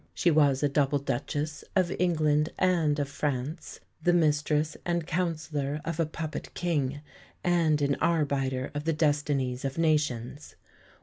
She was a double Duchess, of England and of France, the mistress and counsellor of a puppet King, and an arbiter of the destinies of nations.